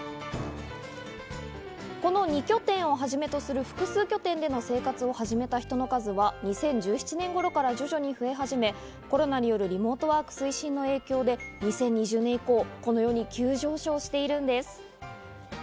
この二拠点をはじめとする複数拠点での生活を始めた人の数は、２０１７年頃から徐々に増え始めコロナによるリモートワーク推進の影響で２０２０年以降、このように急上昇しているんです。